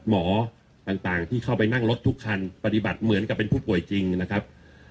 หมอต่างที่เข้าไปนั่งรถทุกคันปฏิบัติเหมือนกับเป็นผู้ป่วยจริงนะครับ